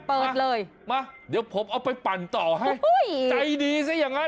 เปิดเลยมาเดี๋ยวผมเอาไปปั่นต่อให้ใจดีซะอย่างนั้น